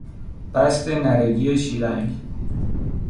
بست نرگی شیلنگ